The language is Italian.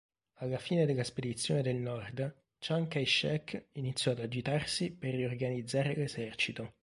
Alla fine della Spedizione del Nord, Chiang Kai-shek iniziò ad agitarsi per riorganizzare l'esercito.